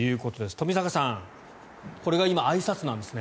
冨坂さん、これが今あいさつなんですね。